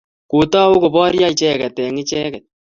Kotou koporyo icheket eng' icheket.